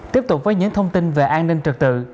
tiếp tục với những thông tin về an ninh trật tự